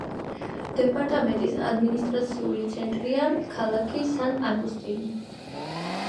დეპარტამენტის ადმინისტრაციული ცენტრია ქალაქი სან-აგუსტინი.